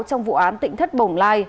trong vụ án tỉnh thất bồng lai